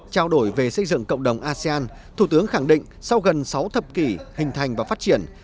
trao đổi về xây dựng cộng đồng asean thủ tướng khẳng định sau gần sáu thập kỷ hình thành và phát triển